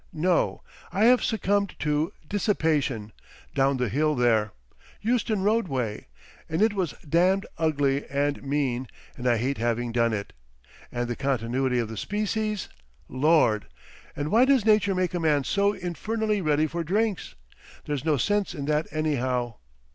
No. I have succumbed to—dissipation—down the hill there. Euston Road way. And it was damned ugly and mean, and I hate having done it. And the continuity of the species—Lord!... And why does Nature make a man so infernally ready for drinks? There's no sense in that anyhow."